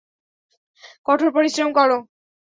কঠোর পরিশ্রম করো।